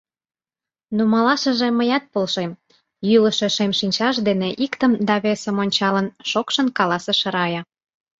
Нумалашыже мыят полшем! — йӱлышӧ шем шинчаж дене иктым да весым ончалын, шокшын каласыш Рая.